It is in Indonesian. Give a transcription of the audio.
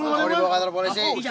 aku dibawa kantor polisi